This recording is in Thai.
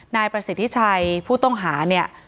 นายประสิทธิชัยผู้ต้องหาเนี่ย